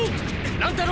乱太郎！